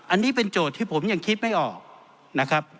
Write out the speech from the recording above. อันนี้เป็นโจทย์ที่ผมยังคิดไม่ออกนะครับ